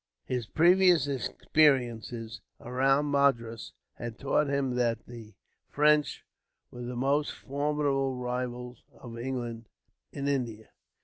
His previous experiences, around Madras, had taught him that the French were the most formidable rivals of England in India.